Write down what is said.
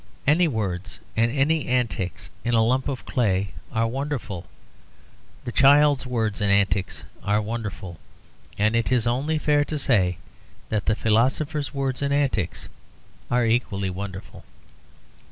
Any words and any antics in a lump of clay are wonderful, the child's words and antics are wonderful, and it is only fair to say that the philosopher's words and antics are equally wonderful.